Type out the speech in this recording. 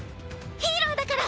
ヒーローだから！